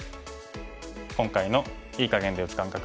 今回の“いい”かげんで打つ感覚